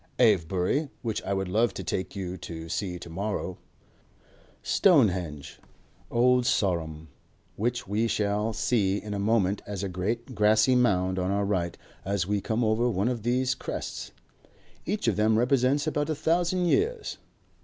Avebury, which I would love to take you to see to morrow. Stonehenge. Old Sarum, which we shall see in a moment as a great grassy mound on our right as we come over one of these crests. Each of them represents about a thousand years.